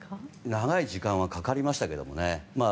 長い時間はかかりましたけどね。